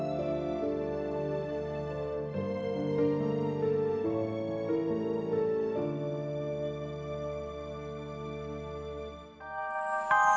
untung sampai jumpa yang telah michelle cari